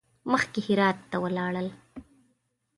مخکې هرات ته ولاړل.